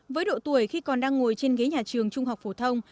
với độ tuổi khi còn đang ngồi trên ghế nhà trường trung học phổ thông